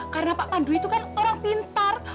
karena pak pandu itu kan orang pintar